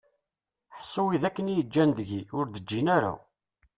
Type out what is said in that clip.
Ḥṣu widen akken i yi-ǧǧan deg-i ur d-ǧǧin ara!